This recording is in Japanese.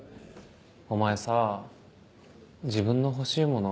お前さぁ自分の欲しいもの